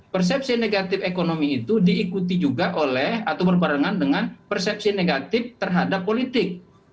persepsi negatif ekonomi itu diikuti juga oleh atau berparengan dengan persepsi negatif terhadap politik